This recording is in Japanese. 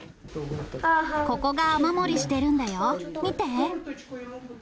ここが雨漏りしてるんだよ、見て。